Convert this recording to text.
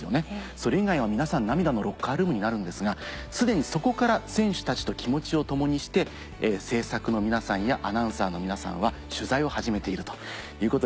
それ以外は皆さん涙のロッカールームになるんですが既にそこから選手たちと気持ちを共にして制作の皆さんやアナウンサーの皆さんは取材を始めているということで。